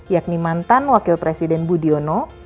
yakni mantan wakil presiden budiono